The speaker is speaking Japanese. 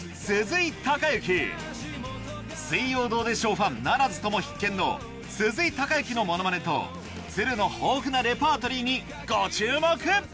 ファンならずとも必見の鈴井貴之のものまねと都留の豊富なレパートリーにご注目！